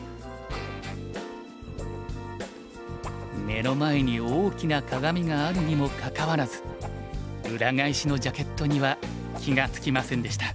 目の前に大きな鏡があるにもかかわらず裏返しのジャケットには気が付きませんでした。